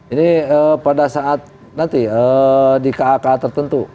ini pada saat nanti di kaka tertentu